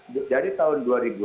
dari tahun dua ribu lima belas